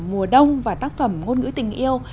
mùa đông và tác phẩm ngôn ngữ tình yêu